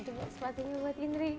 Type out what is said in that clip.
coba sepatunya buat inri